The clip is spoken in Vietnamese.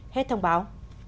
hết thông báo